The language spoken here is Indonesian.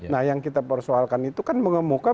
nah yang kita persoalkan itu kan mengemuka